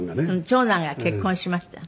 長男が結婚しました。